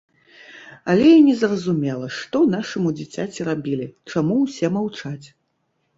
Але і незразумела, што нашаму дзіцяці рабілі, чаму ўсе маўчаць?